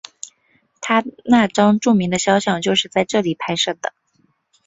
他那张著名的肖像就是在这里拍摄的。